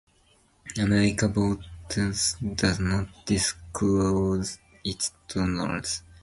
America Votes does not disclose its donors.